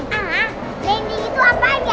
landing itu apaan ya